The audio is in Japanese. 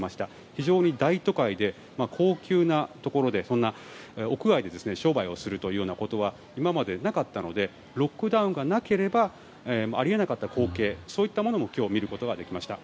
非常に大都会で、高級なところでそんな屋外で商売をするというようなことは今までなかったのでロックダウンがなければあり得なかった光景そういったものも今日、見ることができました。